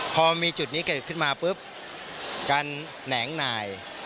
พอมีจุดนี้เกิดขึ้นมาปุ๊บการแหนงหน่าย